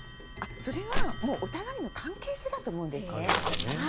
それはもうお互いの関係性だと思うんですね。